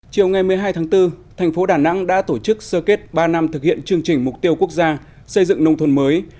chiều ngày một mươi hai tháng bốn thành phố đà nẵng đã tổ chức sơ kết ba năm thực hiện chương trình mục tiêu quốc gia xây dựng nông thôn mới